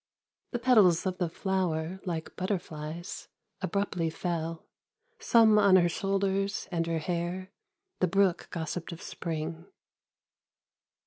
The petals of the flower, like butterflies. Abruptly fell, some on her shoulders And her hair ; the brook gossiped of Spring.